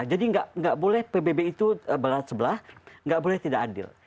jadi gak boleh pbb itu berat sebelah gak boleh tidak adil